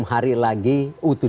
tiga puluh enam hari lagi u tujuh belas